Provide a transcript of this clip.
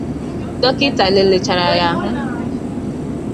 dọkịta lelechaara ya ahụ